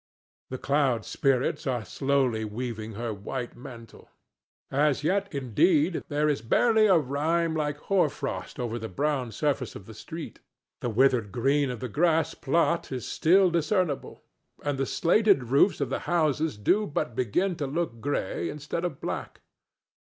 The cloud spirits are slowly weaving her white mantle. As yet, indeed, there is barely a rime like hoar frost over the brown surface of the street; the withered green of the grass plat is still discernible, and the slated roofs of the houses do but begin to look gray instead of black.